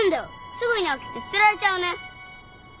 すぐに飽きて捨てられちゃうね。